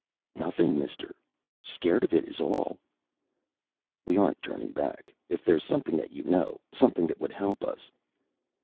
"Nothing, mister. Scared of it is all." "We aren't turning back. If there's something that you know something that would help us...."